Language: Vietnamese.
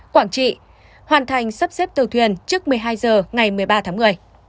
quảng trị hoàn thành sắp xếp tàu thuyền trước một mươi hai h ngày một mươi ba tháng một mươi